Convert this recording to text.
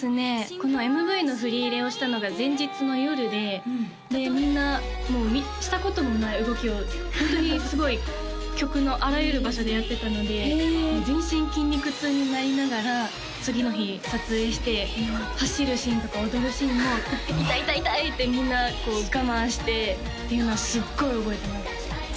このＭＶの振り入れをしたのが前日の夜ででみんなしたこともない動きをホントにすごい曲のあらゆる場所でやってたので全身筋肉痛になりながら次の日撮影して走るシーンとか踊るシーンも「痛い痛い痛い」ってみんなこう我慢してっていうのはすごい覚えてます